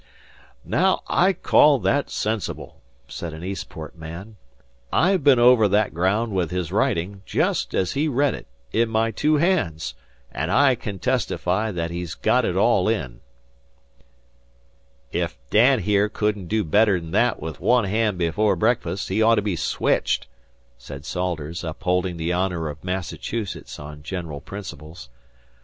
"Naow, I call that sensible," said the Eastport man. "I've bin over that graound with his writin', jest as he read it, in my two hands, and I can testify that he's got it all in." "If Dan here couldn't do better'n that with one hand before breakfast, he ought to be switched," said Salters, upholding the honor of Massachusetts on general principles.